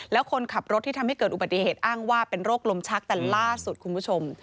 แล้วคนขับรถที่ทำให้เกิดอุบัติเหตุอ้างว่าเป็นโรคลมชักแต่ล่าสุดคุณผู้ชม